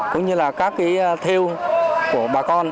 cũng như là các thiêu của bà con